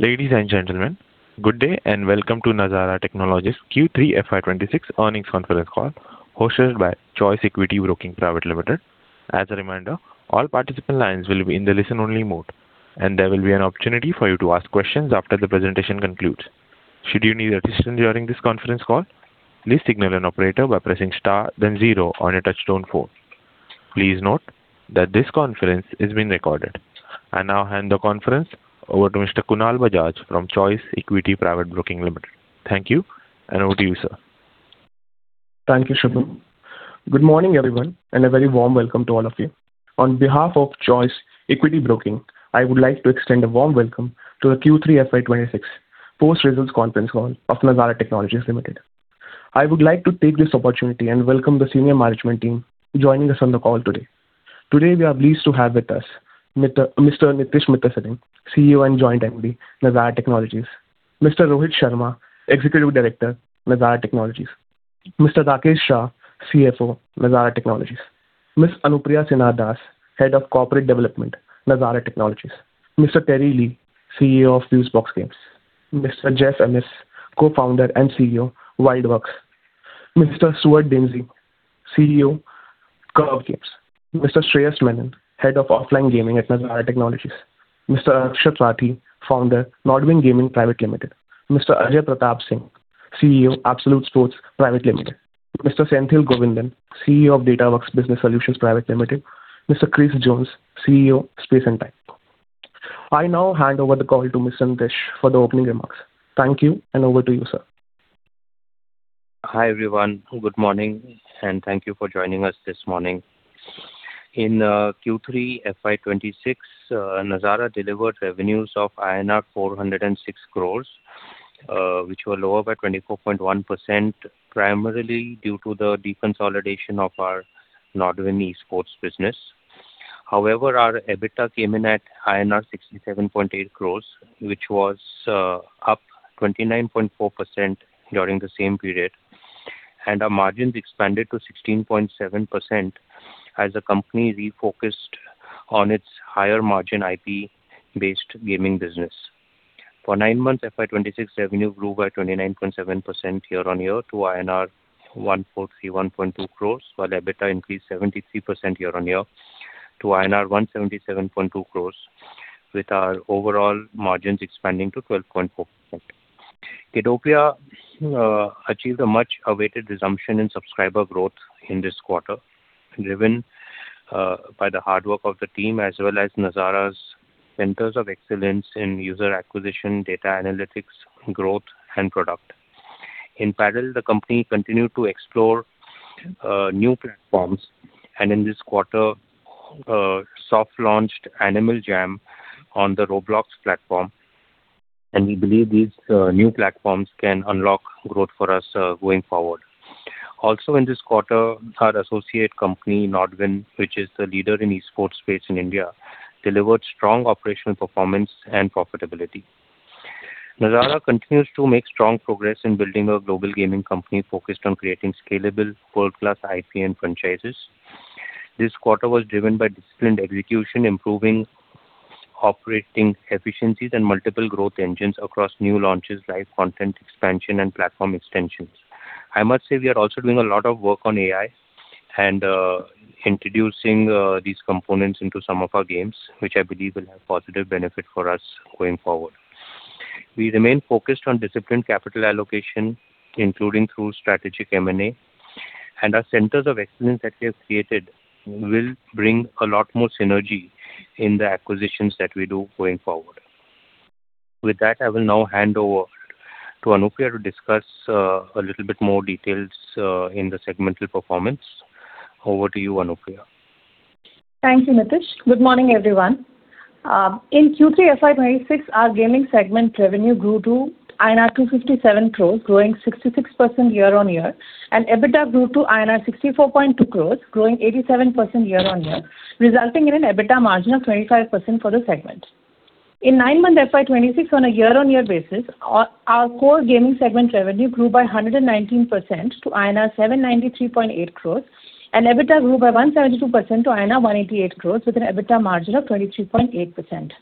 Ladies and gentlemen, good day, and welcome to Nazara Technologies Q3 FY26 earnings conference call, hosted by Choice Equity Broking Private Limited. As a reminder, all participant lines will be in the listen-only mode, and there will be an opportunity for you to ask questions after the presentation concludes. Should you need assistance during this conference call, please signal an operator by pressing star then zero on your touch-tone phone. Please note that this conference is being recorded. I now hand the conference over to Mr. Kunal Bajaj from Choice Equity Broking Private Limited. Thank you, and over to you, sir. Thank you, Shubham. Good morning, everyone, and a very warm welcome to all of you. On behalf of Choice Equity Broking, I would like to extend a warm welcome to the Q3 FY 26 post-results conference call of Nazara Technologies Limited. I would like to take this opportunity and welcome the senior management team joining us on the call today. Today, we are pleased to have with us Mr. Nitish Mittersain, CEO and Joint MD, Nazara Technologies; Mr. Rohit Sharma, Executive Director, Nazara Technologies; Mr. Rakesh Shah, CFO, Nazara Technologies; Ms. Anupriya Sinha Das, Head of Corporate Development, Nazara Technologies; Mr. Terry Li, CEO of Fusebox Games; Mr. Jeff Ammons, Co-founder and CEO, WildWorks; Mr. Stuart Dempsey, CEO, Curve Games; Mr. Shreyas Menon, Head of Offline Gaming at Nazara Technologies; Mr. Akshat Rathee, Founder, NODWIN Gaming Private Limited; Mr. Ajay Pratap Singh, CEO, Absolute Sports Private Limited; Mr. Senthil Govindan, CEO of Datawrkz Business Solutions Private Limited. Mr. Chris Jones, CEO, Space and Time. I now hand over the call to Mr. Nitish for the opening remarks. Thank you, and over to you, sir. Hi, everyone. Good morning, and thank you for joining us this morning. In Q3 FY 2026, Nazara delivered revenues of INR 406 crores, which were lower by 24.1%, primarily due to the deconsolidation of our NODWIN Esports business. However, our EBITDA came in at INR 67.8 crores, which was up 29.4% during the same period. Our margins expanded to 16.7% as the company refocused on its higher-margin IP-based gaming business. For nine months FY 2026 revenue grew by 29.7% year-on-year to INR 1,431.2 crores, while EBITDA increased 73% year-on-year to INR 177.2 crores, with our overall margins expanding to 12.4%. Kiddopia achieved a much-awaited resumption in subscriber growth in this quarter, driven by the hard work of the team, as well as Nazara's Centers of Excellence in user acquisition, data analytics, growth, and product. In parallel, the company continued to explore new platforms, and in this quarter soft-launched Animal Jam on the Roblox platform, and we believe these new platforms can unlock growth for us going forward. Also, in this quarter, our associate company, NODWIN, which is the leader in esports space in India, delivered strong operational performance and profitability. Nazara continues to make strong progress in building a global gaming company focused on creating scalable world-class IP and franchises. This quarter was driven by disciplined execution, improving operating efficiencies and multiple growth engines across new launches, live content expansion, and platform extensions. I must say, we are also doing a lot of work on AI and, introducing, these components into some of our games, which I believe will have positive benefit for us going forward. We remain focused on disciplined capital allocation, including through strategic M&A, and our Centers of Excellence that we have created will bring a lot more synergy in the acquisitions that we do going forward. With that, I will now hand over to Anupriya to discuss, a little bit more details, in the segmental performance. Over to you, Anupriya. Thank you, Nitish. Good morning, everyone. In Q3 FY 2026, our gaming segment revenue grew to INR 257 crores, growing 66% year-over-year, and EBITDA grew to INR 64.2 crores, growing 87% year-over-year, resulting in an EBITDA margin of 25% for the segment. In nine-month FY 2026, on a year-over-year basis, our core gaming segment revenue grew by 119% to 793.8 crores, and EBITDA grew by 172% to 188 crores, with an EBITDA margin of 23.8%.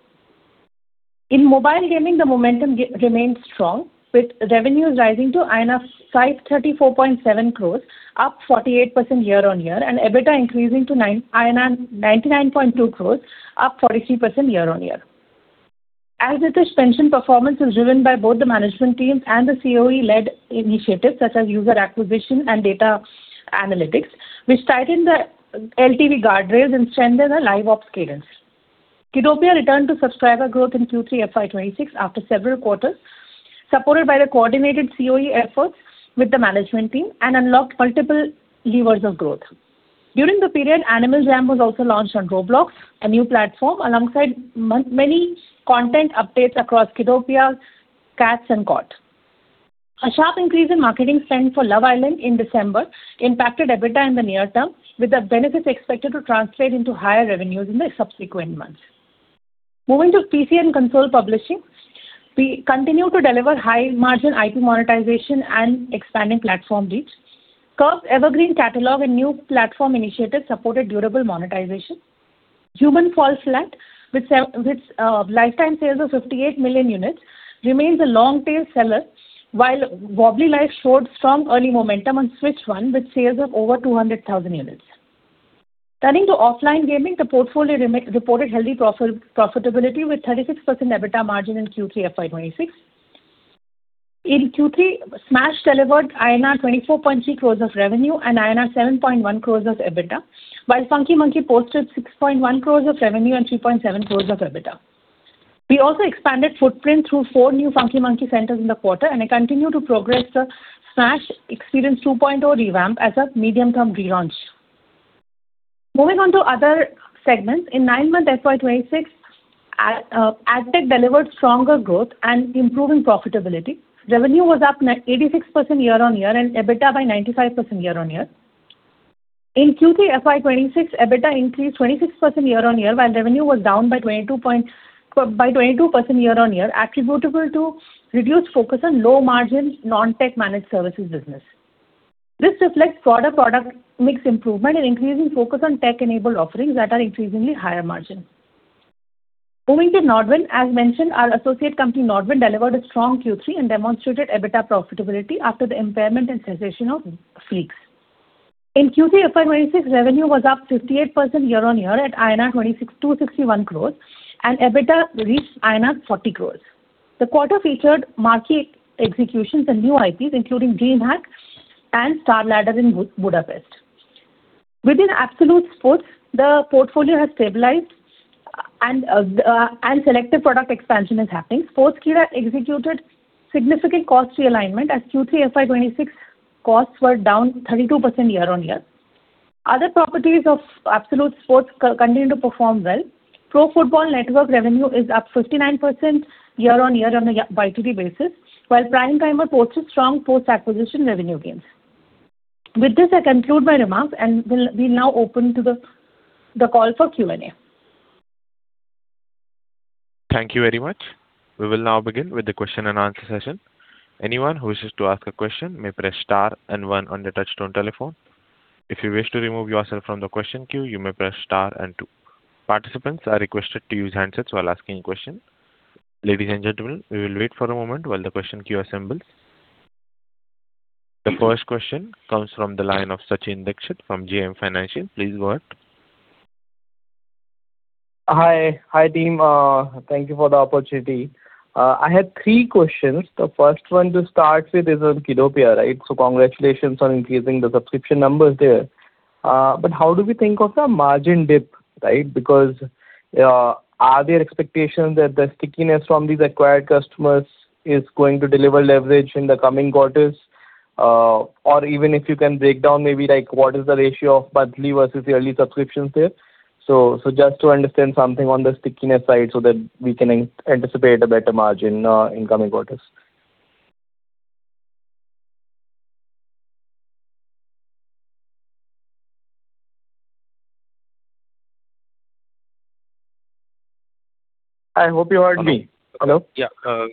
In mobile gaming, the momentum remains strong, with revenues rising to 534.7 crores, up 48% year-over-year, and EBITDA increasing to 99.2 crores, up 43% year-over-year. As Nitish mentioned, performance is driven by both the management teams and the COE-led initiatives, such as user acquisition and data analytics, which tighten the LTV guardrails and strengthen the live ops cadence. Kiddopia returned to subscriber growth in Q3 FY26 after several quarters, supported by the coordinated COE efforts with the management team, and unlocked multiple levers of growth. During the period, Animal Jam was also launched on Roblox, a new platform, alongside many content updates across Kiddopia, C.A.T.S., and KoT. A sharp increase in marketing spend for Love Island in December impacted EBITDA in the near term, with the benefits expected to translate into higher revenues in the subsequent months. Moving to PC and console publishing, we continue to deliver high-margin IP monetization and expanding platform reach. Curve's evergreen catalog and new platform initiatives supported durable monetization. Human Fall Flat, with lifetime sales of 58 million units, remains a long-tail seller, while Wobbly Life showed strong early momentum on Switch, with sales of over 200,000 units. Turning to offline gaming, the portfolio reported healthy profitability, with 36% EBITDA margin in Q3 FY 2026. In Q3, Smaaash delivered INR 24.3 crores of revenue and INR 7.1 crores of EBITDA, Funky Monkeyss posted 6.1 crores of revenue and 3.7 crores of EBITDA. We also expanded footprint through 4 Funky Monkeyss centers in the quarter, and I continue to progress the Smaaash Experience 2.0 revamp as a medium-term relaunch. Moving on to other segments, in nine-month FY 2026, AdTech delivered stronger growth and improving profitability. Revenue was up 86% year-on-year, and EBITDA by 95% year-on-year. In Q3 FY 2026, EBITDA increased 26% year-on-year, while revenue was down by 22% year-on-year, attributable to reduced focus on low-margin, non-tech managed services business. This reflects broader product mix improvement and increasing focus on tech-enabled offerings that are increasingly higher margin. Moving to NODWIN Gaming, as mentioned, our associate company, NODWIN Gaming, delivered a strong Q3 and demonstrated EBITDA profitability after the impairment and cessation of Freaks 4U Gaming. In Q3 FY 2026, revenue was up 58% year-on-year at INR 261 crores, and EBITDA reached INR 40 crores. The quarter featured marquee executions and new IPs, including DreamHack and StarLadder in Budapest. Within Absolute Sports, the portfolio has stabilized, and selective product expansion is happening. Sportskeeda executed significant cost realignment, as Q3 FY 2026 costs were down 32% year-on-year. Other properties of Absolute Sports continue to perform well. Pro Football Network revenue is up 59% year-on-year on a year-to-date basis, while Prime Time reports a strong post-acquisition revenue gains. With this, I conclude my remarks, and we'll now open the call for Q&A. Thank you very much. We will now begin with the question and answer session. Anyone who wishes to ask a question may press star and one on your touch-tone telephone. If you wish to remove yourself from the question queue, you may press star and two. Participants are requested to use handsets while asking questions. Ladies and gentlemen, we will wait for a moment while the question queue assembles. The first question comes from the line of Sachin Dixit from JM Financial. Please go ahead. Hi. Hi, team. Thank you for the opportunity. I had three questions. The first one to start with is on Kiddopia, right? So congratulations on increasing the subscription numbers there. But how do we think of the margin dip, right? Because, are there expectations that the stickiness from these acquired customers is going to deliver leverage in the coming quarters? Or even if you can break down maybe, like, what is the ratio of monthly versus yearly subscriptions there. So just to understand something on the stickiness side so that we can anticipate a better margin in coming quarters. I hope you heard me. Hello? Yeah,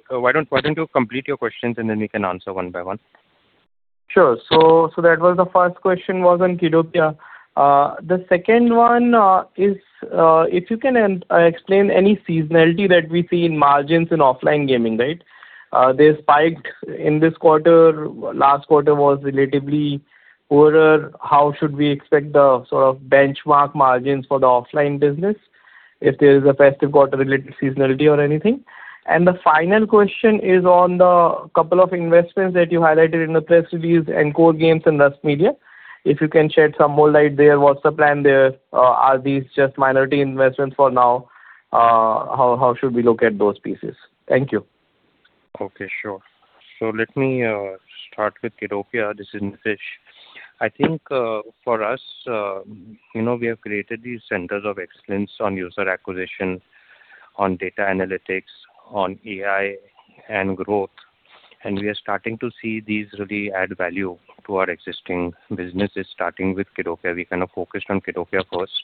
why don't you complete your questions, and then we can answer one by one? Sure. So that was the first question was on Kiddopia. The second one is if you can explain any seasonality that we see in margins in offline gaming, right? They spiked in this quarter. Last quarter was relatively poorer. How should we expect the sort of benchmark margins for the offline business, if there is a festive quarter-related seasonality or anything? And the final question is on the couple of investments that you highlighted in the press release, nCore Games and Rusk Media. If you can shed some more light there, what's the plan there? Are these just minority investments for now? How should we look at those pieces? Thank you. Okay, sure. So let me start with Kiddopia. This is Nish. I think, for us, you know, we have created these Centers of Excellence on user acquisition, on data analytics, on AI and growth, and we are starting to see these really add value to our existing businesses, starting with Kiddopia. We kind of focused on Kiddopia first.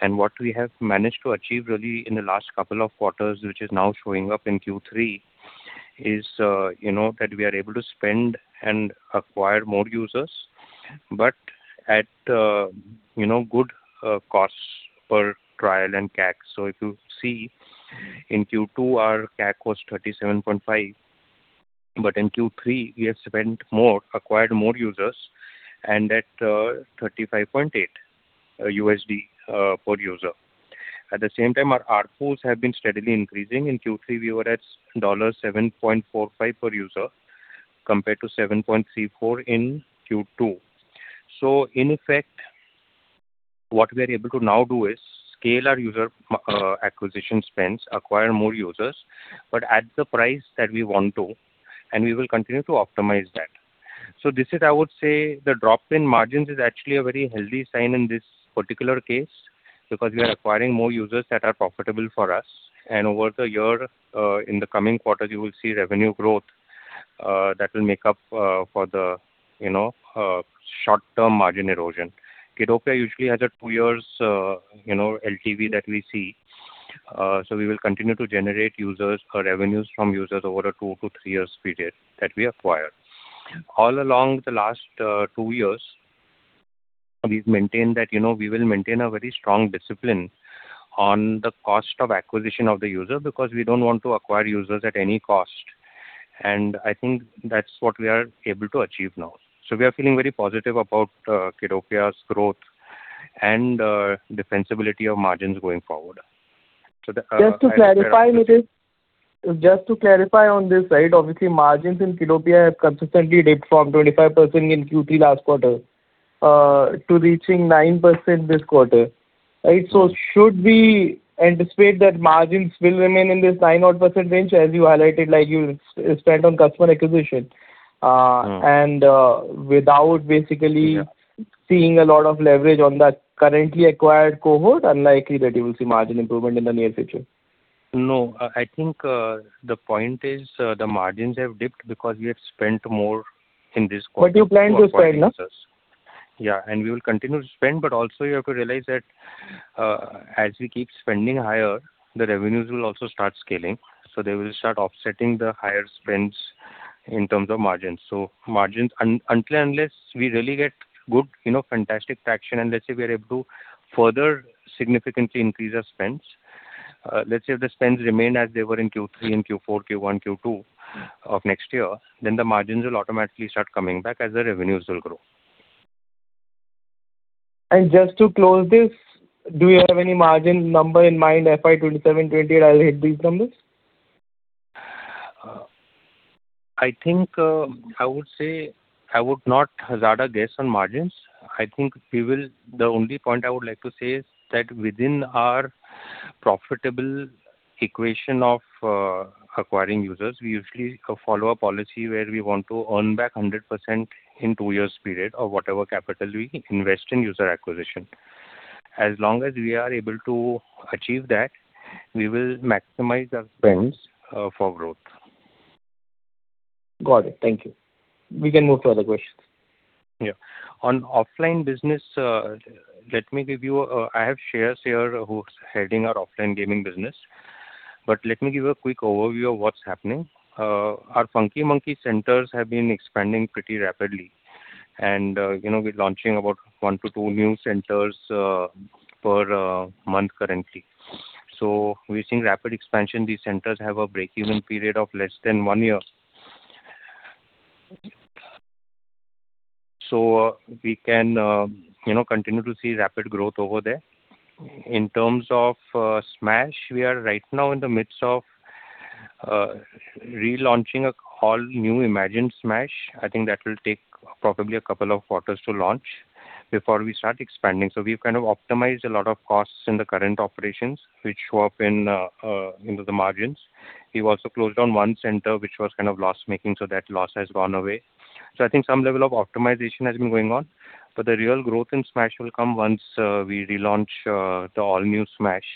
And what we have managed to achieve really in the last couple of quarters, which is now showing up in Q3, is, you know, that we are able to spend and acquire more users, but at, you know, good costs per trial and CAC. So if you see, in Q2, our CAC was $37.5, but in Q3, we have spent more, acquired more users, and at $35.8 USD per user. At the same time, our ARPUs have been steadily increasing. In Q3, we were at $7.45 per user, compared to $7.34 in Q2. So in effect, what we are able to now do is scale our user acquisition spends, acquire more users, but at the price that we want to, and we will continue to optimize that. So this is, I would say, the drop in margins is actually a very healthy sign in this particular case, because we are acquiring more users that are profitable for us. And over the year, in the coming quarters, you will see revenue growth that will make up for the, you know, short-term margin erosion. Kiddopia usually has a 2-year, you know, LTV that we see. ... so we will continue to generate users or revenues from users over a 2-3-year period that we acquire. All along the last 2 years, we've maintained that, you know, we will maintain a very strong discipline on the cost of acquisition of the user, because we don't want to acquire users at any cost, and I think that's what we are able to achieve now. So we are feeling very positive about Kiddopia's growth and defensibility of margins going forward. So the, Just to clarify, Nitish. Just to clarify on this, right? Obviously, margins in Kiddopia have consistently dipped from 25% in Q3 last quarter to reaching 9% this quarter, right? So should we anticipate that margins will remain in this 9-odd% range as you highlighted, like, you spent on customer acquisition? Mm. Without basically- Yeah Seeing a lot of leverage on that currently acquired cohort. Unlikely that you will see margin improvement in the near future. No, I think, the point is, the margins have dipped because we have spent more in this quarter- But you plan to spend, no? Yeah, and we will continue to spend, but also you have to realize that, as we keep spending higher, the revenues will also start scaling, so they will start offsetting the higher spends in terms of margins. So margins until, unless we really get good, you know, fantastic traction, and let's say we are able to further significantly increase our spends, let's say if the spends remain as they were in Q3 and Q4, Q1, Q2 of next year, then the margins will automatically start coming back as the revenues will grow. Just to close this, do you have any margin number in mind, FY 27, 28, I'll hit these numbers? I think, I would say I would not hazard a guess on margins. I think we will... The only point I would like to say is that within our profitable equation of acquiring users, we usually follow a policy where we want to earn back 100% in two years period or whatever capital we invest in user acquisition. As long as we are able to achieve that, we will maximize our spends for growth. Got it. Thank you. We can move to other questions. Yeah. On offline business, let me give you... I have Shreyas here, who's heading our offline gaming business. But let me give you a quick overview of what's happening. Funky Monkeyss centers have been expanding pretty rapidly, and, you know, we're launching about 1-2 new centers per month currently. So we've seen rapid expansion. These centers have a break-even period of less than 1 year. So we can, you know, continue to see rapid growth over there. In terms of Smaaash, we are right now in the midst of relaunching an all-new imagined Smaaash. I think that will take probably a couple of quarters to launch before we start expanding. So we've kind of optimized a lot of costs in the current operations, which show up in, you know, the margins. We've also closed down one center, which was kind of loss-making, so that loss has gone away. So I think some level of optimization has been going on, but the real growth in Smaaash will come once we relaunch the all-new Smaaash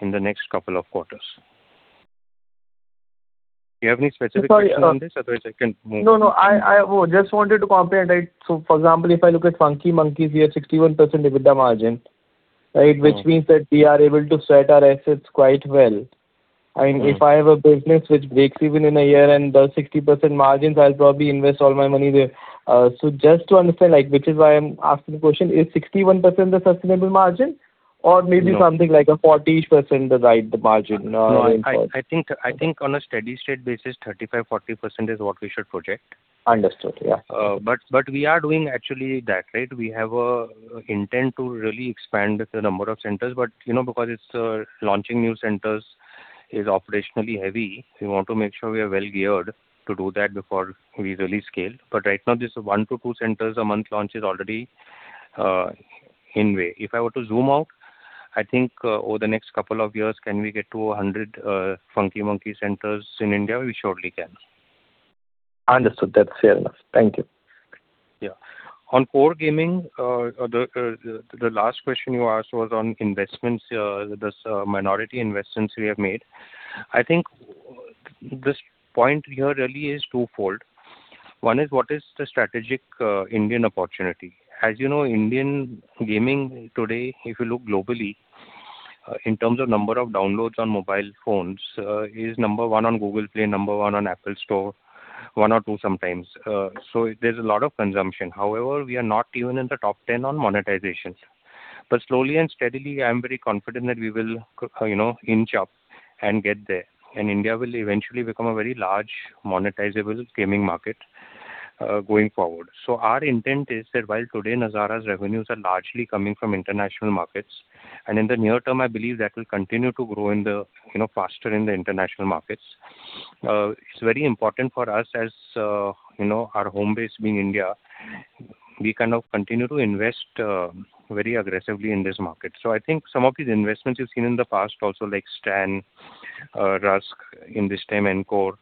in the next couple of quarters. Do you have any specific questions on this? Otherwise, I can move- No, no, I just wanted to comprehend, right? So for example, if I look Funky Monkeyss, we have 61% EBITDA margin, right? Mm. Which means that we are able to sweat our assets quite well. Mm. I mean, if I have a business which breaks even in a year and does 60% margins, I'll probably invest all my money there. So just to understand, like, which is why I'm asking the question: Is 61% the sustainable margin- No Or maybe something like a 40% the right margin, in forward? No, I think on a steady state basis, 35%-40% is what we should project. Understood. Yeah. But we are doing actually that, right? We have an intent to really expand the number of centers, but, you know, because it's launching new centers is operationally heavy, we want to make sure we are well geared to do that before we really scale. But right now, this 1-2 centers a month launch is already in a way. If I were to zoom out, I think over the next couple of years, can we get to Funky Monkeyss centers in India? We surely can. Understood. That's fair enough. Thank you. Yeah. On core gaming, the last question you asked was on investments, the minority investments we have made. I think this point here really is twofold. One is what is the strategic Indian opportunity? As you know, Indian gaming today, if you look globally, in terms of number of downloads on mobile phones, is number one on Google Play, number one on Apple Store, one or two sometimes. So there's a lot of consumption. However, we are not even in the top ten on monetization. But slowly and steadily, I am very confident that we will, you know, inch up and get there, and India will eventually become a very large monetizable gaming market, going forward. So our intent is that while today Nazara's revenues are largely coming from international markets, and in the near term, I believe that will continue to grow in the, you know, faster in the international markets. It's very important for us as, you know, our home base being India, we kind of continue to invest very aggressively in this market. So I think some of these investments you've seen in the past also, like STAN, Rusk, in this time, nCore,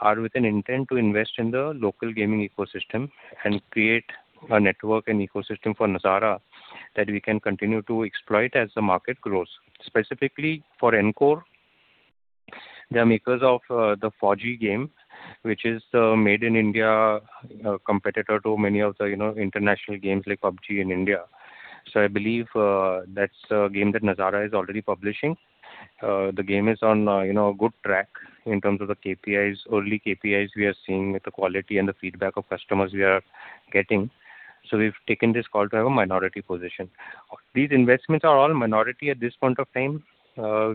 are with an intent to invest in the local gaming ecosystem and create a network and ecosystem for Nazara that we can continue to exploit as the market grows. Specifically for nCore. They are makers of the FAU-G game, which is made in India, a competitor to many of the, you know, international games like PUBG in India. So I believe, that's a game that Nazara is already publishing. The game is on, you know, a good track in terms of the KPIs. Early KPIs we are seeing with the quality and the feedback of customers we are getting. So we've taken this call to have a minority position. These investments are all minority at this point of time.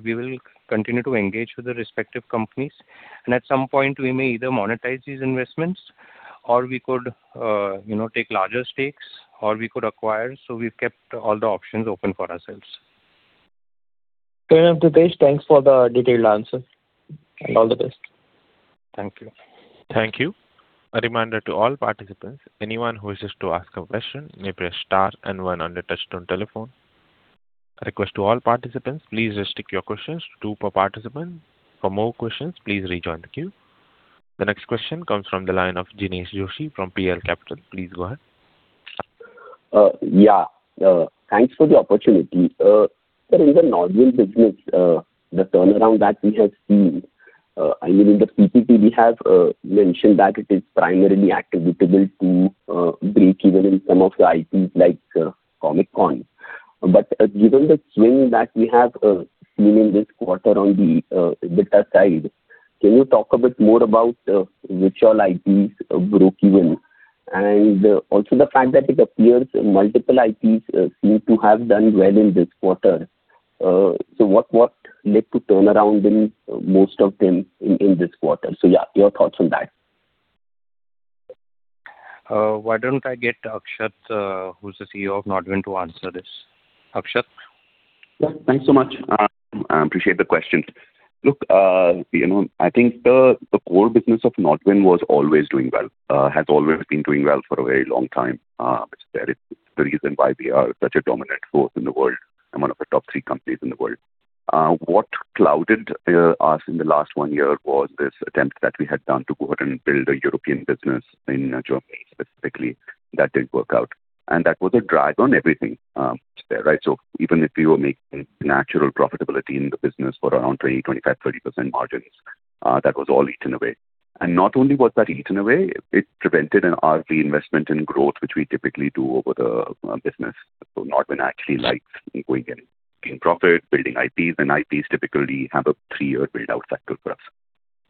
We will continue to engage with the respective companies, and at some point, we may either monetize these investments or we could, you know, take larger stakes, or we could acquire. So we've kept all the options open for ourselves. Great, Ritesh. Thanks for the detailed answer, and all the best. Thank you. Thank you. A reminder to all participants, anyone who wishes to ask a question, may press star and one on your touch-tone telephone. A request to all participants, please restrict your questions to two per participant. For more questions, please rejoin the queue. The next question comes from the line of Jinesh Joshi from PL Capital. Please go ahead. Yeah, thanks for the opportunity. Sir, in the NODWIN business, the turnaround that we have seen, I mean, in the PPP, we have mentioned that it is primarily attributable to breakeven in some of the IPs like Comic Con. But given the swing that we have seen in this quarter on the EBITDA side, can you talk a bit more about which all IPs broke even? And also the fact that it appears multiple IPs seem to have done well in this quarter. So what led to turnaround in most of them in this quarter? Yeah, your thoughts on that. Why don't I get Akshat, who's the CEO of NODWIN, to answer this. Akshat? Yeah. Thanks so much. I appreciate the question. Look, you know, I think the core business of NODWIN was always doing well, has always been doing well for a very long time. Which there is the reason why we are such a dominant force in the world and one of the top three companies in the world. What clouded us in the last one year was this attempt that we had done to go ahead and build a European business in Germany specifically. That didn't work out, and that was a drag on everything, there, right? So even if we were making natural profitability in the business for around 20, 25, 30% margins, that was all eaten away. And not only was that eaten away, it prevented an RV investment in growth, which we typically do over the business. So NODWIN actually likes going and making profit, building IPs, and IPs typically have a three-year build-out cycle for us.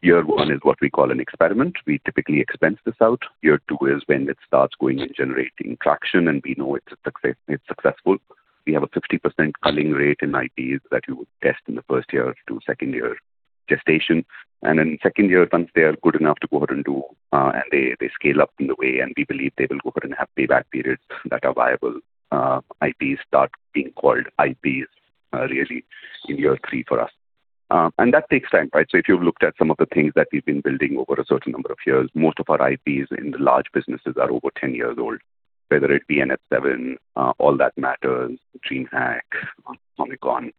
Year one is what we call an experiment. We typically expense this out. Year two is when it starts going and generating traction, and we know it's a success, it's successful. We have a 50% culling rate in IPs that you would test in the first year to second year gestation. And in second year, once they are good enough to go ahead and do, and they scale up in a way, and we believe they will go ahead and have payback periods that are viable, IPs start being called IPs, really in year three for us. And that takes time, right? So if you've looked at some of the things that we've been building over a certain number of years, most of our IPs in the large businesses are over 10 years old, whether it be NH7, All That Matters, DreamHack, Comic Con,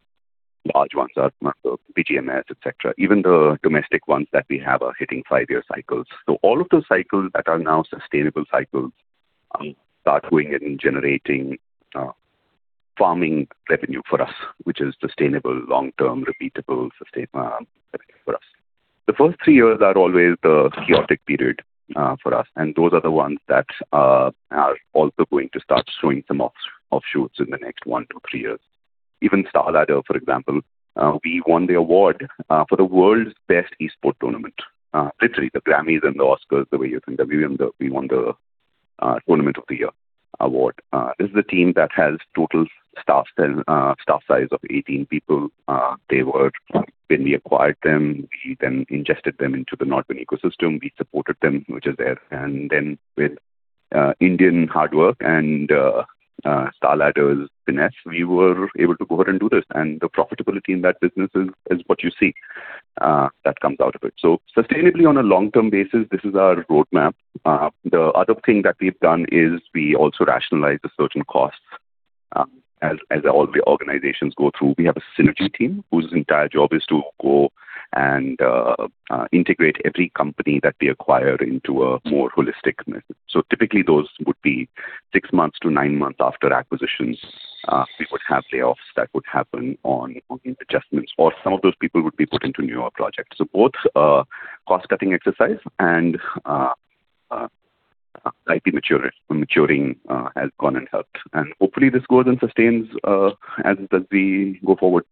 large ones are BGMS, et cetera. Even the domestic ones that we have are hitting 5-year cycles. So all of those cycles that are now sustainable cycles start going and generating, farming revenue for us, which is sustainable, long-term, repeatable, sustain, for us. The first 3 years are always the chaotic period, for us, and those are the ones that are also going to start showing some off, offshoots in the next 1 to 3 years. Even StarLadder, for example, we won the award, for the world's best esports tournament. Literally, the Grammys and the Oscars, the way you think of them, we won the Tournament of the Year award. This is a team that has total staff size of 18 people. When we acquired them, we then ingested them into the NODWIN ecosystem. We supported them, which is there. And then with Indian hard work and StarLadder's finesse, we were able to go ahead and do this, and the profitability in that business is what you see that comes out of it. So sustainably, on a long-term basis, this is our roadmap. The other thing that we've done is we also rationalize the certain costs, as all the organizations go through. We have a synergy team whose entire job is to go and integrate every company that we acquire into a more holistic method. So typically, those would be six months to nine months after acquisitions, we would have layoffs that would happen on the adjustments, or some of those people would be put into newer projects. So both cost-cutting exercise and IP maturing has gone and helped. And hopefully, this goes and sustains as we go forward.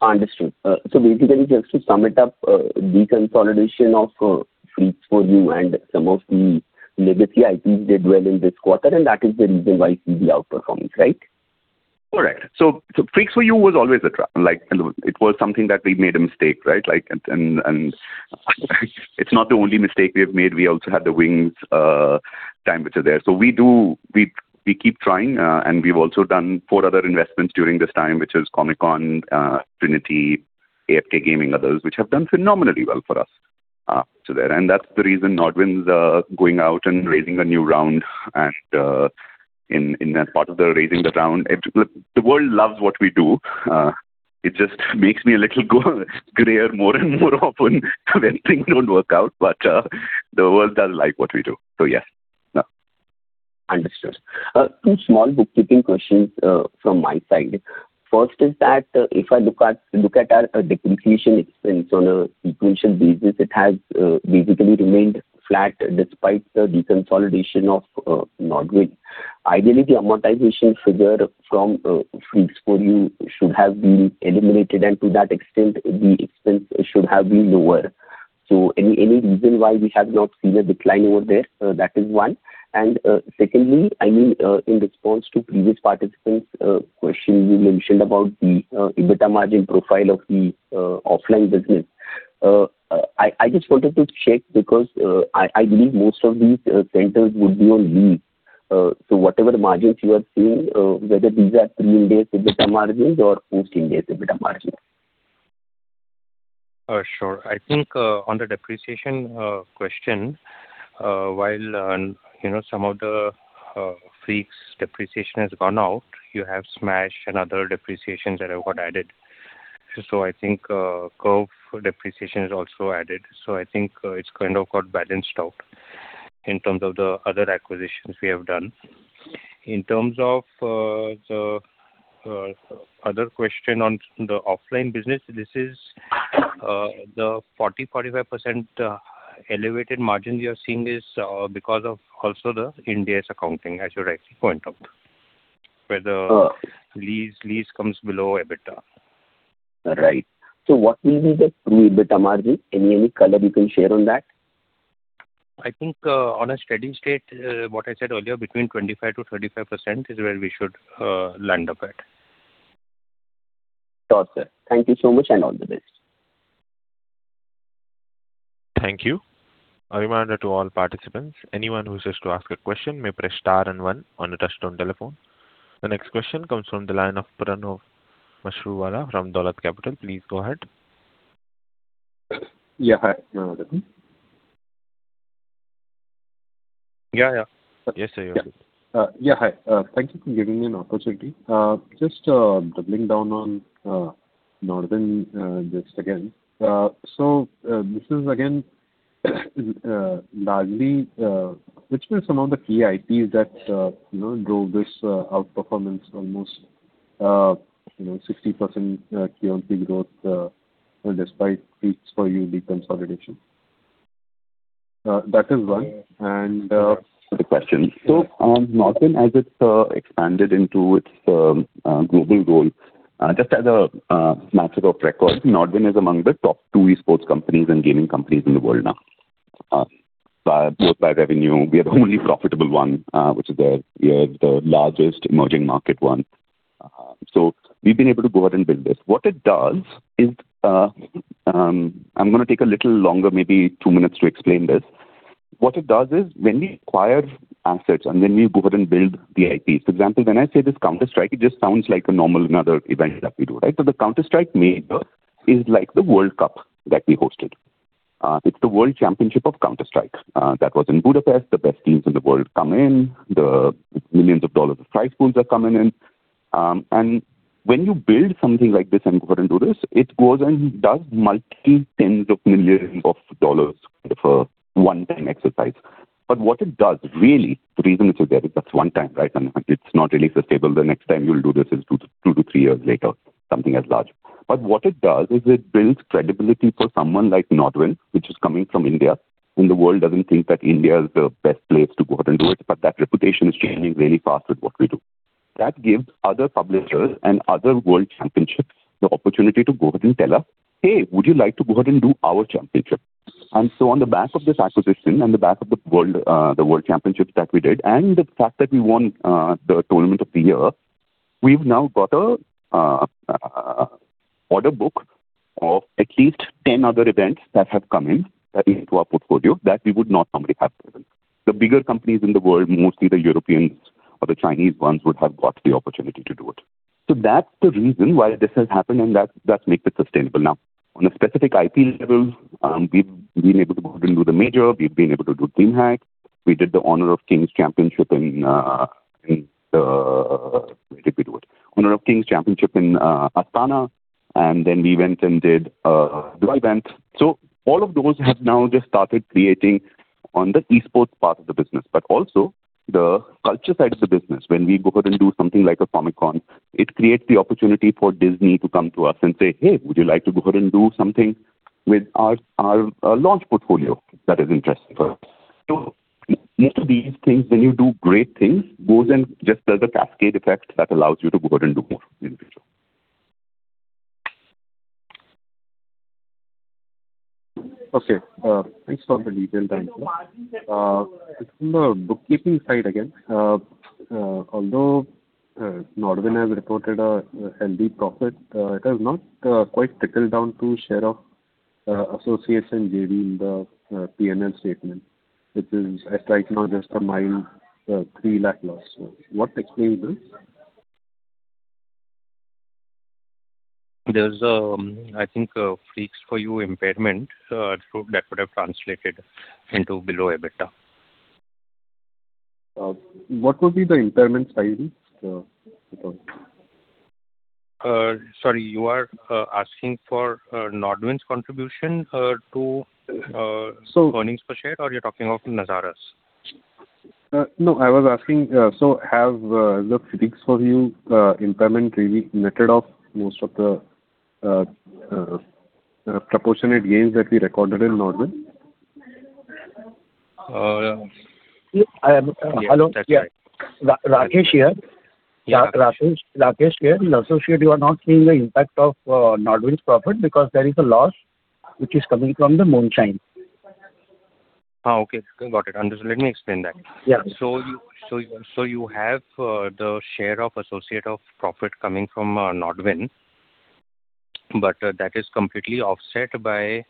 Understood. So basically, just to sum it up, the consolidation of Freaks 4U Gaming 4U and some of the legacy IPs did well in this quarter, and that is the reason why we see the outperformance, right? Correct. So Freaks 4U Gaming 4U was always a—like, it was something that we made a mistake, right? Like, it's not the only mistake we have made. We also had the Wings, which are there. So we do. We keep trying, and we've also done four other investments during this time, which is Comic Con, Trinity, AFK Gaming, others, which have done phenomenally well for us, so there. And that's the reason NODWIN's going out and raising a new round, and, in that part of the raising the round, it. Look, the world loves what we do. It just makes me a little gray more and more often when things don't work out. But, the world does like what we do. So, yeah. Understood. Two small bookkeeping questions from my side. First is that, if I look at, look at our depreciation expense on a sequential basis, it has basically remained flat despite the deconsolidation of NODWIN. Ideally, amortization figure from Freaks 4U Gaming 4U should have been eliminated, and to that extent, the expense should have been lower. So any, any reason why we have not seen a decline over there? That is one. And secondly, I mean, in response to previous participants' question, you mentioned about the EBITDA margin profile of the offline business. I just wanted to check because I believe most of these centers would be on lease. So whatever margins you are seeing, whether these are pre-indebted EBITDA margins or post-indebted EBITDA margins? Sure. I think, on the depreciation question, while you know, some of the Freaks 4U Gaming depreciation has gone out, you have Smaaash and other depreciations that have got added. So I think, Curve depreciation is also added. So I think, it's kind of got balanced out in terms of the other acquisitions we have done. In terms of the other question on the offline business, this is the 40%-45% elevated margin we are seeing is because of also the Ind AS accounting, as you rightly point out, where the- Uh. Lease comes below EBITDA. Right. So what will be the pre-EBITDA margin? Any, any color you can share on that? I think, on a steady state, what I said earlier, between 25%-35% is where we should land up at. Sure, sir. Thank you so much, and all the best. Thank you. A reminder to all participants, anyone who wishes to ask a question may press star and one on your touch-tone telephone. The next question comes from the line of Pranav Mashruwala from Dolat Capital. Please go ahead. Yeah, hi, Pranav. Yeah, yeah. Yes, I hear you. Yeah. Yeah, hi. Thank you for giving me an opportunity. Just, doubling down on NODWIN, just again. So, this is again, largely, which were some of the key IPs that, you know, drove this, outperformance almost, you know, 60% year-on-year growth, and despite Freaks 4U Gaming 4U deconsolidation? That is one, and, The question. So, NODWIN, as it's expanded into its global role, just as a matter of record, NODWIN is among the top two esports companies and gaming companies in the world now, both by revenue. We are the only profitable one, which is the, we are the largest emerging market one. So we've been able to go out and build this. What it does is, I'm gonna take a little longer, maybe two minutes, to explain this. What it does is when we acquire assets and then we go ahead and build the IPs. For example, when I say this Counter-Strike, it just sounds like a normal another event that we do, right? So the Counter-Strike Major is like the World Cup that we hosted. It's the world championship of Counter-Strike. That was in Budapest. The best teams in the world come in. The $ millions of prize pools are coming in. And when you build something like this and go ahead and do this, it goes and does multi-tens of $ millions for a one-time exercise. But what it does, really, the reason it is there, that's one time, right? And it's not really sustainable. The next time you'll do this is 2-3 years later, something as large. But what it does is it builds credibility for someone like NODWIN, which is coming from India, and the world doesn't think that India is the best place to go out and do it, but that reputation is changing really fast with what we do. That gives other publishers and other world championships the opportunity to go ahead and tell us, "Hey, would you like to go ahead and do our championship?" And so on the back of this acquisition and the back of the world, the world championships that we did, and the fact that we won, the tournament of the year, we've now got a order book of at least 10 other events that have come in, into our portfolio, that we would not normally have gotten. The bigger companies in the world, mostly the Europeans or the Chinese ones, would have got the opportunity to do it. So that's the reason why this has happened, and that makes it sustainable. Now, on a specific IP level, we've been able to go ahead and do the Major. We've been able to do DreamHack. We did the Honor of Kings championship in Astana, and then we went and did a Dubai event. So all of those have now just started creating on the esports part of the business, but also the culture side of the business. When we go ahead and do something like a Comic-Con, it creates the opportunity for Disney to come to us and say, "Hey, would you like to go ahead and do something with our launch portfolio? That is interesting for us." So most of these things, when you do great things, goes and just there's a cascade effect that allows you to go ahead and do more in the future. Okay, thanks for the detailed answer. From the bookkeeping side again, although NODWIN has reported a healthy profit, it has not quite trickled down to share of associates and JVs in the P&L statement, which is as right now just a mild 3 lakh loss. So what explains this? There's, I think, Freaks 4U Gaming 4U impairment, so that would have translated into below EBITDA. What would be the impairment timing, because-... Sorry, you are asking for NODWIN's contribution to so earnings per share, or you're talking of Nazara's? No, I was asking, so have the fixed asset impairment really netted off most of the proportionate gains that we recorded in NODWIN? Hello? Yeah. Rakesh here. In associate, you are not seeing the impact of NODWIN's profit because there is a loss which is coming from the Moonshine. Oh, okay, got it. Understood. Let me explain that. Yeah. So you have the share of associate of profit coming from NODWIN, but that is completely offset by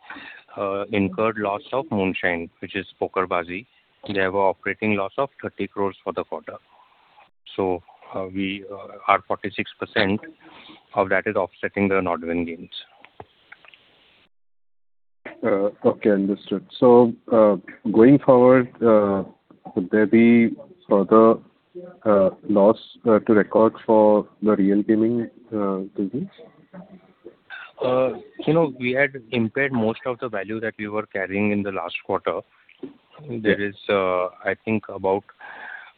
incurred loss of Moonshine, which is PokerBaazi. They have a operating loss of 30 crore for the quarter. So, our 46% of that is offsetting the NODWIN gains. Okay, understood. So, going forward, would there be further loss to record for the real gaming business? You know, we had impaired most of the value that we were carrying in the last quarter. There is, I think about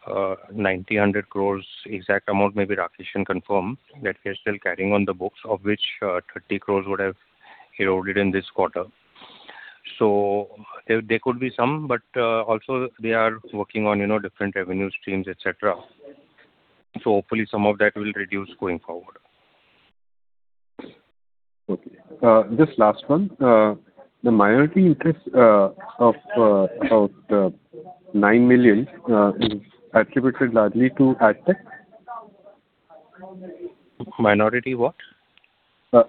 90-100 crore, exact amount maybe Rakesh can confirm, that we're still carrying on the books, of which 30 crore would have eroded in this quarter. So there, there could be some, but also they are working on, you know, different revenue streams, et cetera. So hopefully some of that will reduce going forward. Okay. Just last one. The minority interest of about 9 million is attributed largely to Adtech? Minority what?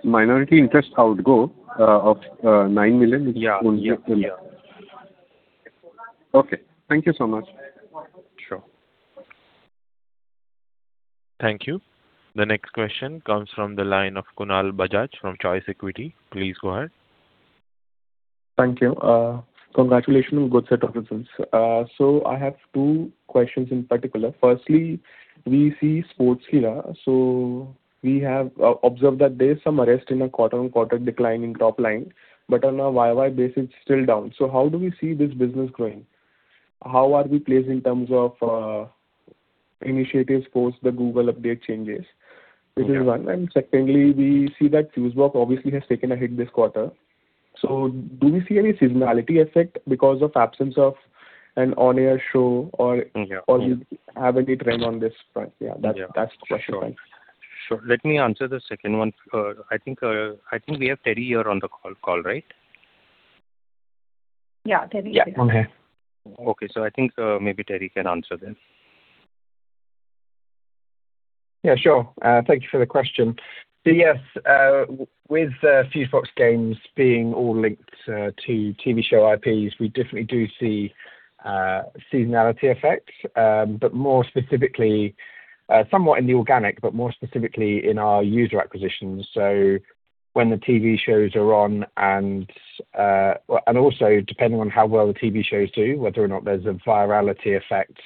Minority interest outflow of 9 million- Yeah. Yeah. Okay. Thank you so much. Sure. Thank you. The next question comes from the line of Kunal Bajaj from Choice Equity. Please go ahead. Thank you. Congratulations on good set of results. So I have two questions in particular. Firstly, we see Sportskeeda, so we have observed that there is some arrest in a quarter-on-quarter decline in top line, but on a YoY basis, it's still down. So how do we see this business growing? How are we placed in terms of initiatives post the Google update changes? This is one. And secondly, we see that Fusebox obviously has taken a hit this quarter. So do we see any seasonality effect because of absence of an on-air show or- Yeah. Or you have any trend on this front? Yeah. Yeah. That's the question. Sure. Let me answer the second one. I think we have Terry here on the call, right? Yeah, Terry. Yeah, I'm here. Okay, so I think, maybe Terry can answer this. Yeah, sure. Thank you for the question. So yes, with Fusebox Games being all linked to TV show IPs, we definitely do see seasonality effects, but more specifically, somewhat in the organic, but more specifically in our user acquisitions. So when the TV shows are on and also depending on how well the TV shows do, whether or not there's a virality effect,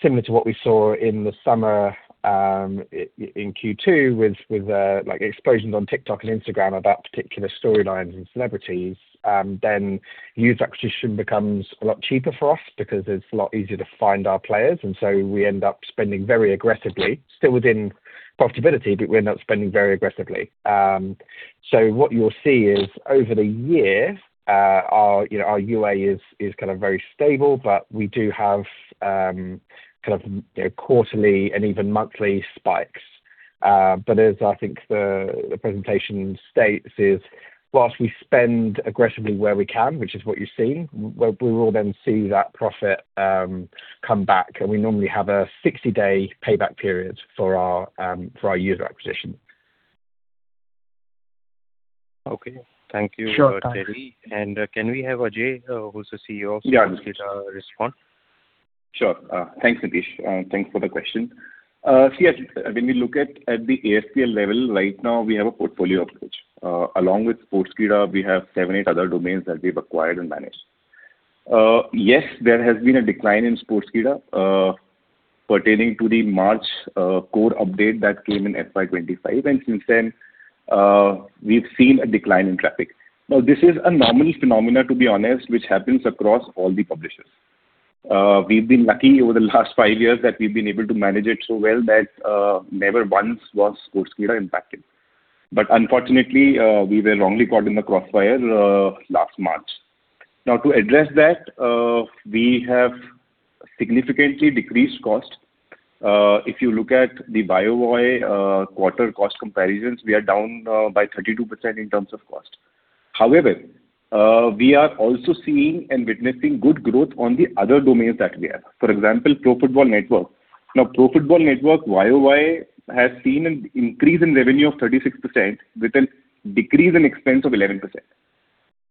similar to what we saw in the summer, in Q2 with like explosions on TikTok and Instagram about particular storylines and celebrities, then user acquisition becomes a lot cheaper for us because it's a lot easier to find our players, and so we end up spending very aggressively, still within profitability, but we're not spending very aggressively. So what you'll see is over the year, our, you know, our UA is kind of very stable, but we do have, kind of, you know, quarterly and even monthly spikes. But as I think the presentation states is, while we spend aggressively where we can, which is what you're seeing, we will then see that profit come back, and we normally have a 60-day payback period for our, for our user acquisition. Okay. Thank you- Sure, thanks. Terry. And can we have Ajay, who's the CEO- Yeah. Of Sportskeeda, respond? Sure. Thanks, Nitish, and thanks for the question. See, when we look at the ASPL level, right now, we have a portfolio approach. Along with Sportskeeda, we have seven, eight other domains that we've acquired and managed. Yes, there has been a decline in Sportskeeda pertaining to the March core update that came in FY 25, and since then, we've seen a decline in traffic. Now, this is a normal phenomena, to be honest, which happens across all the publishers. We've been lucky over the last five years that we've been able to manage it so well that never once was Sportskeeda impacted. But unfortunately, we were wrongly caught in the crossfire last March. Now, to address that, we have significantly decreased cost. If you look at the YOY quarter cost comparisons, we are down by 32% in terms of cost. However, we are also seeing and witnessing good growth on the other domains that we have. For example, Pro Football Network. Now, Pro Football Network, YOY, has seen an increase in revenue of 36%, with a decrease in expense of 11%.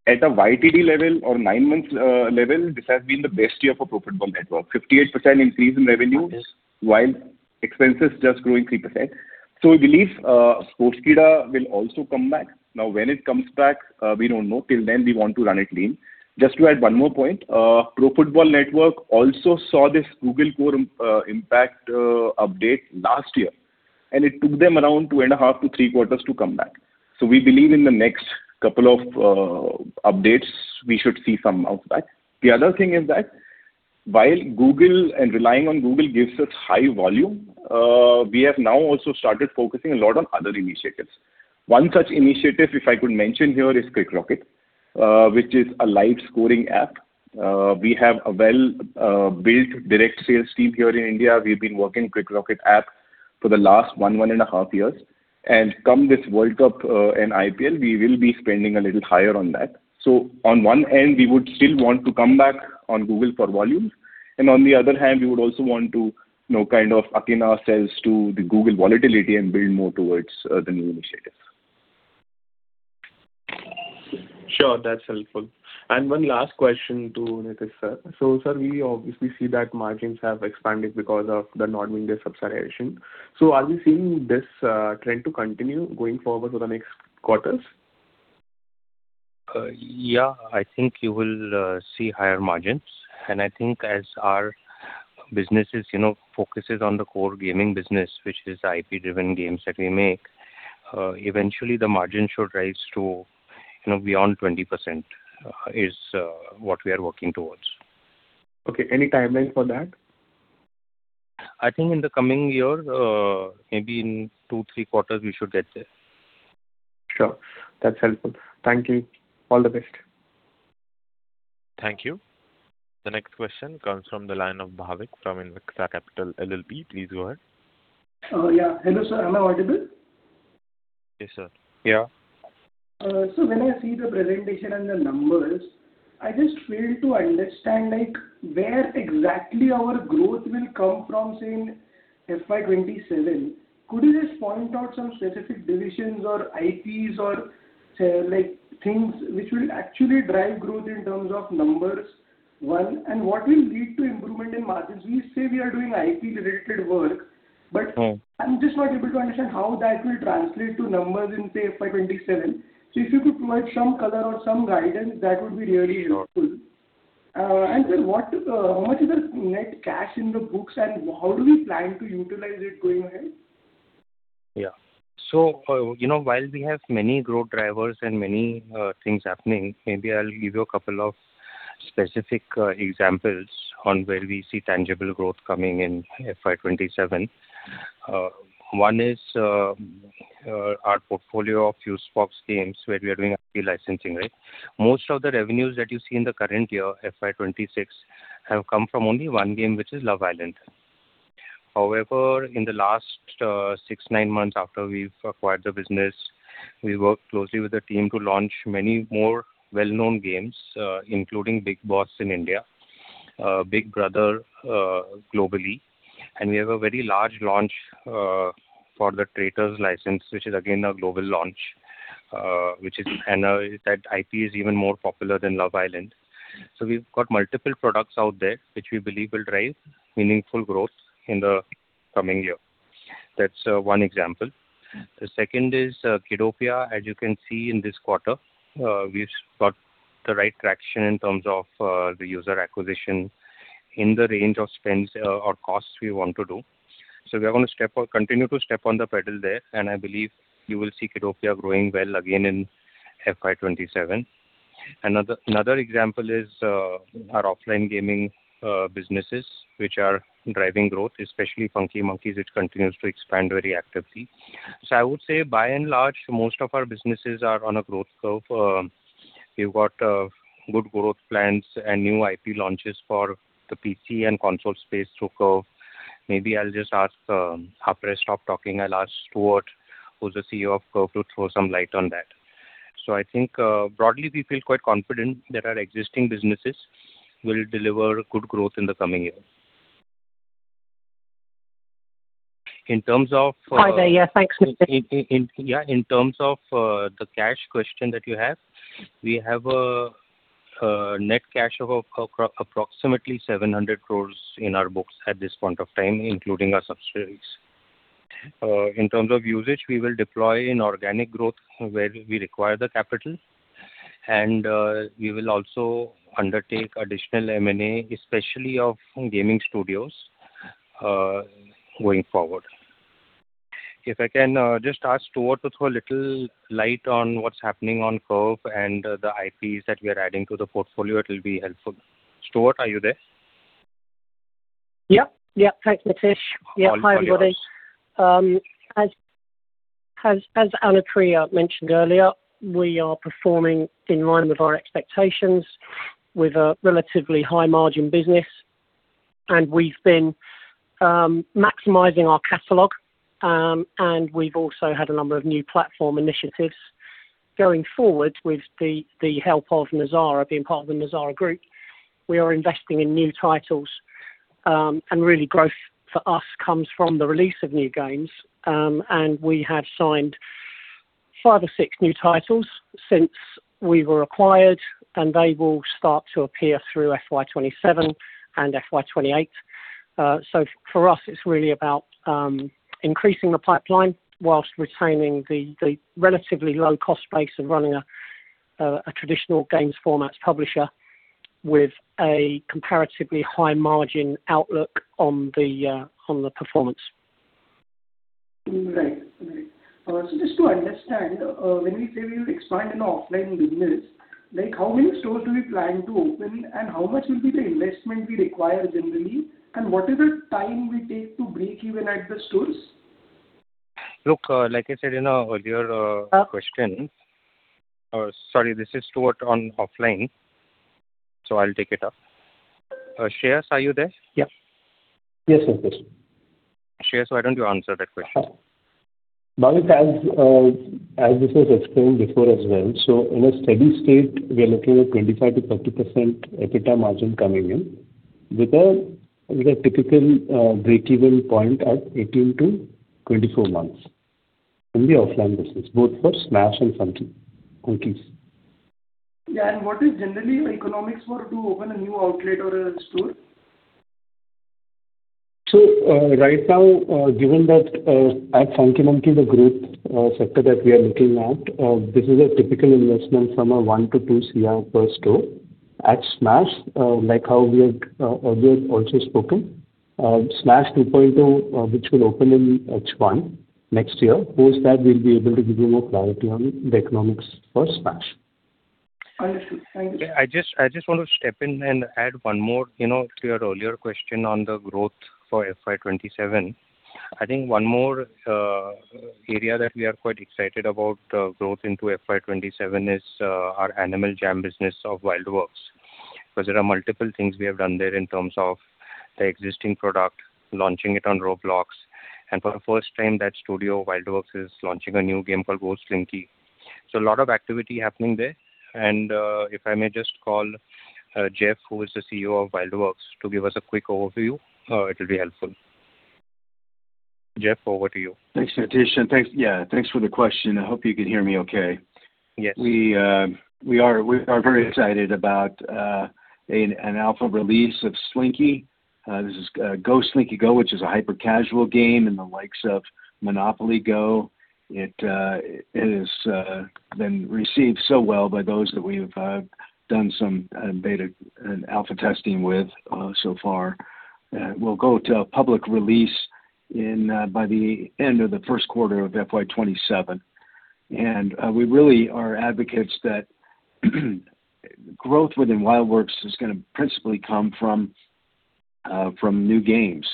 At a YTD level or nine months level, this has been the best year for Pro Football Network. 58% increase in revenue- Got it. While expenses just growing 3%. So we believe, Sportskeeda will also come back. Now, when it comes back, we don't know. Till then, we want to run it lean. Just to add one more point, Pro Football Network also saw this Google core impact update last year... and it took them around 2.5 to 3 quarters to come back. So we believe in the next couple of updates, we should see some of that. The other thing is that while Google and relying on Google gives us high volume, we have now also started focusing a lot on other initiatives. One such initiative, if I could mention here, is CricRocket, which is a live scoring app. We have a well built direct sales team here in India. We've been working CricRocket app for the last one, one and a half years, and come this World Cup and IPL, we will be spending a little higher on that. So on one end, we would still want to come back on Google for volume, and on the other hand, we would also want to, you know, kind of akin ourselves to the Google volatility and build more towards the new initiatives. Sure, that's helpful. And one last question to Nitish, sir. So, sir, we obviously see that margins have expanded because of the non-Indian subsidiaries. So are we seeing this trend to continue going forward for the next quarters? Yeah, I think you will see higher margins. I think as our businesses, you know, focuses on the core gaming business, which is IP-driven games that we make, eventually the margin should rise to, you know, beyond 20%, is what we are working towards. Okay. Any timeline for that? I think in the coming year, maybe in 2, 3 quarters, we should get there. Sure. That's helpful. Thank you. All the best. Thank you. The next question comes from the line of Bhavik from Invicta Capital LLP. Please go ahead. Yeah. Hello, sir. Am I audible? Yes, sir. Yeah. So when I see the presentation and the numbers, I just fail to understand, like, where exactly our growth will come from, say, in FY 2027. Could you just point out some specific divisions or IPs or, like, things which will actually drive growth in terms of numbers, one, and what will lead to improvement in margins? We say we are doing IP-related work, but- Hmm. I'm just not able to understand how that will translate to numbers in, say, FY 27. So if you could provide some color or some guidance, that would be really helpful. And then what, how much is the net cash in the books, and how do we plan to utilize it going ahead? Yeah. So, you know, while we have many growth drivers and many things happening, maybe I'll give you a couple of specific examples on where we see tangible growth coming in FY 2027. One is our portfolio of Fusebox games, where we are doing IP licensing, right? Most of the revenues that you see in the current year, FY 2026, have come from only one game, which is Love Island. However, in the last 6, 9 months after we've acquired the business, we worked closely with the team to launch many more well-known games, including Bigg Boss in India, Big Brother globally. And we have a very large launch for The Traitors license, which is again, a global launch, which is, and that IP is even more popular than Love Island. So we've got multiple products out there, which we believe will drive meaningful growth in the coming year. That's one example. The second is Kiddopia. As you can see in this quarter, we've got the right traction in terms of the user acquisition in the range of spends or costs we want to do. So we are going to continue to step on the pedal there, and I believe you will see Kiddopia growing well again in FY 2027. Another example is our offline gaming businesses, which are driving growth, Funky Monkeyss, which continues to expand very actively. So I would say by and large, most of our businesses are on a growth curve. We've got good growth plans and new IP launches for the PC and console space to go. Maybe I'll just ask, after I stop talking, I'll ask Stuart, who's the CEO of Curve, to throw some light on that. So I think, broadly, we feel quite confident that our existing businesses will deliver good growth in the coming year. In terms of, Hi there, yeah, thanks, Nitish. In, yeah, in terms of the cash question that you have, we have a net cash of approximately 700 crore in our books at this point of time, including our subsidiaries. In terms of usage, we will deploy in organic growth where we require the capital, and we will also undertake additional M&A, especially of gaming studios, going forward. If I can just ask Stuart to throw a little light on what's happening on Curve and the IPs that we are adding to the portfolio, it will be helpful. Stuart, are you there? Yep, yep. Thanks, Nitish. All fine here. Yeah, hi, everybody. As Anatri mentioned earlier, we are performing in line with our expectations with a relatively high margin business, and we've been maximizing our catalog, and we've also had a number of new platform initiatives. Going forward with the help of Nazara, being part of the Nazara Group, we are investing in new titles, and really growth for us comes from the release of new games. And we have signed five or six new titles since we were acquired, and they will start to appear through FY 2027 and FY 2028. So for us, it's really about increasing the pipeline while retaining the relatively low cost base of running a traditional games formats publisher. ...with a comparatively high margin outlook on the performance. Right. Right. So just to understand, when we say we will expand an offline business, like, how many stores do we plan to open? And how much will be the investment we require generally, and what is the time we take to break even at the stores? Look, like I said in our earlier question- Uh. Sorry, this is toward on offline, so I'll take it up. Shreyas, are you there? Yeah. Yes, I'm there. Shreyas, why don't you answer that question? Well, as this was explained before as well, so in a steady state, we are looking at 25%-30% EBITDA margin coming in, with a typical break-even point at 18-24 months in the offline business, both for Smaaash and Funky Monkeyss. Yeah, and what is generally your economics for to open a new outlet or a store? So, right now, given that, Funky Monkeyss, the growth sector that we are looking at, this is a typical investment from 1-2 crore per store. At Smaaash, like how we had earlier also spoken, Smaaash 2.0, which will open in H1 next year, post that we'll be able to give you more clarity on the economics for Smaaash. Understood. Thank you. I just, I just want to step in and add one more, you know, to your earlier question on the growth for FY 2027. I think one more area that we are quite excited about, growth into FY 2027 is our Animal Jam business of WildWorks. Because there are multiple things we have done there in terms of the existing product, launching it on Roblox, and for the first time, that studio, WildWorks, is launching a new game called Go Slinky. So a lot of activity happening there, and if I may just call Jeff, who is the CEO of WildWorks, to give us a quick overview, it'll be helpful. Jeff, over to you. Thanks, Nitish, and thanks... Yeah, thanks for the question. I hope you can hear me okay. Yes. We are very excited about an alpha release of Go Slinky. This is Go Slinky Go, which is a hyper casual game in the likes of Monopoly Go. It has been received so well by those that we've done some beta and alpha testing with so far. We'll go to a public release by the end of the first quarter of FY 2027. And we really are advocates that growth within WildWorks is gonna principally come from new games,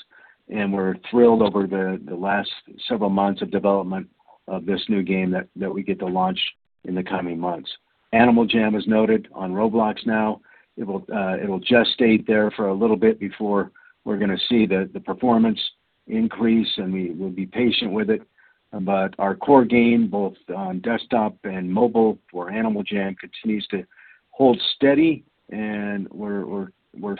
and we're thrilled over the last several months of development of this new game that we get to launch in the coming months. Animal Jam is noted on Roblox now. It will, it'll gestate there for a little bit before we're gonna see the performance increase, and we will be patient with it. But our core game, both on desktop and mobile, for Animal Jam, continues to hold steady, and we're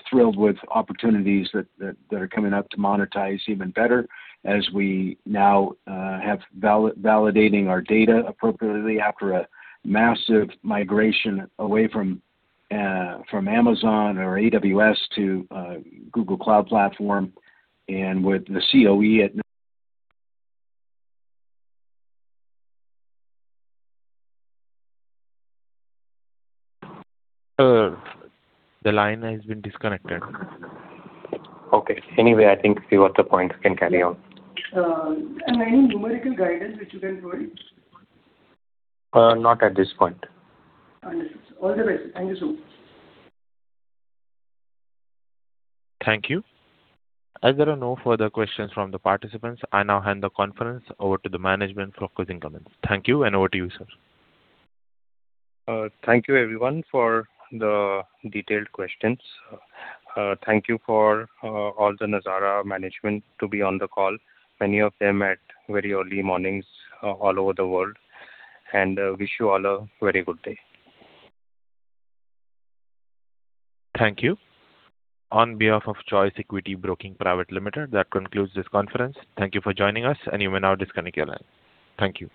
thrilled with opportunities that are coming up to monetize even better as we now have validating our data appropriately after a massive migration away from Amazon or AWS to Google Cloud Platform. And with the COE at- The line has been disconnected. Okay. Anyway, I think we got the points. We can carry on. Any numerical guidance which you can provide? Not at this point. Understood. All the best. Thank you, so. Thank you. As there are no further questions from the participants, I now hand the conference over to the management for closing comments. Thank you, and over to you, sir. Thank you everyone for the detailed questions. Thank you for all the Nazara management to be on the call, many of them at very early mornings, all over the world. Wish you all a very good day. Thank you. On behalf of Choice Equity Broking Private Limited, that concludes this conference. Thank you for joining us, and you may now disconnect your line. Thank you.